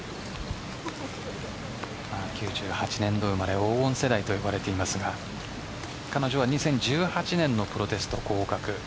１９９８年度生まれ黄金世代と呼ばれていますが彼女は２０１８年のプロテスト合格。